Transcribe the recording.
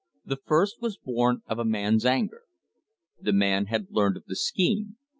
The first was born of a man's anger. The man had learned of the scheme.